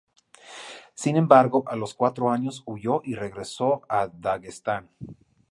Sin embargo, a los cuatro años huyó y regresó a Daguestán.